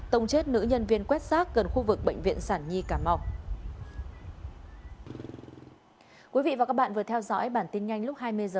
tổng chết nữ nhân viên quét xác gần khu vực bệnh viện sản nhi cà mau